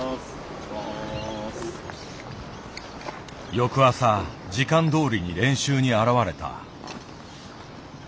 翌朝時間どおりに練習に現れた。